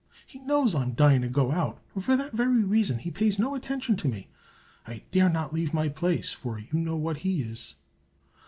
"He knows I am dying to go out, and for that very reason he pays no attention to me. I dare not leave my place, for you know what he is."